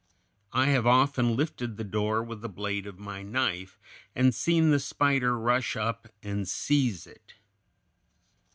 I have often lifted the door with the blade of my knife and seen the spider rush up and seize it.